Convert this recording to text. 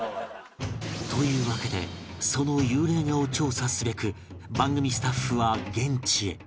というわけでその幽霊画を調査すべく番組スタッフは現地へ